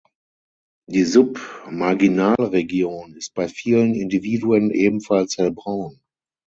Die Submarginalregion ist bei vielen Individuen ebenfalls hellbraun.